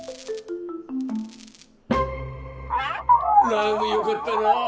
ラブよかったな！